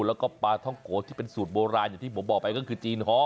แล้วก็ปลาท่องโกะที่เป็นสูตรโบราณอย่างที่ผมบอกไปก็คือจีนฮ้อ